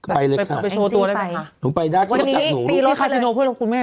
ไปเล็กอังจิไปค่ะวันนี้ตีรกัดเลยคุณแม่รับหนูไหมคัสโนคุณแม่